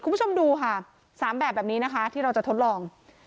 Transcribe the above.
คุณผู้ชมดูค่ะ๓แบบแบบนี้นะคะที่เราจะทดลอง